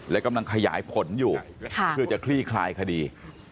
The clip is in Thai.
และกำลังขยายผลอยู่เพื่อจะคลี่คลายคดี